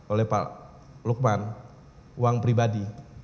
oleh pak lukman uang pribadi